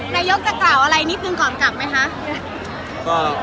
นายกจะกล่าวอะไรนิดนึงก่อนกลับไหมคะ